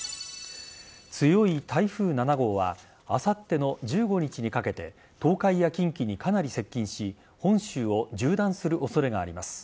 強い台風７号はあさっての１５日にかけて東海や近畿にかなり接近し本州を縦断する恐れがあります。